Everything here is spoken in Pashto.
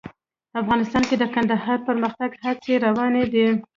افغانستان کې د کندهار د پرمختګ هڅې روانې دي.